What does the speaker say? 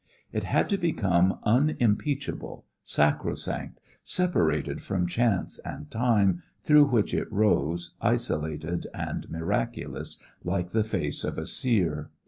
It had to become unimpeachable, sacrosanct, separated from chance and time through which it rose isolated and miraculous, like the face of a seer.